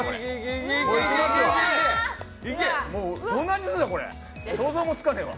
いきますわ、どんな味すんだこれ、想像もつかねえわ！